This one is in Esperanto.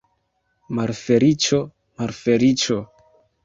Malfeliĉo, malfeliĉo!